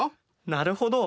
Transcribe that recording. なるほど。